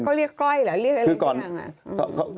เขาเรียกก้อยหรือเรียกอะไรอย่างนั้น